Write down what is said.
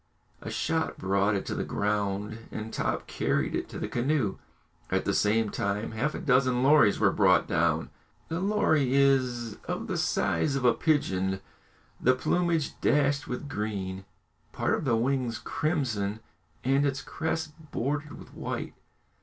A shot brought it to the ground, and Top carried it to the canoe. At the same time half a dozen lories were brought down. The lory is of the size of a pigeon, the plumage dashed with green, part of the wings crimson, and its crest bordered with white.